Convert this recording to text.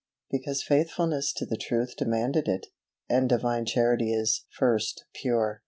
Because faithfulness to the truth demanded it, and Divine Charity is FIRST PURE.